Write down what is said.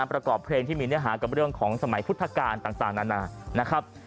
ประกอบเพลงที่มีเนื้อหากับเรื่องของสมัยพุทธกาลต่างนานานะครับ